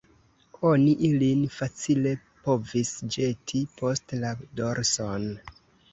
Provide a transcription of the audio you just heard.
Oni ilin facile povis ĵeti post la dorson.